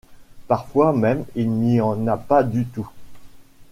Parfois même, il n'y en a pas du tout.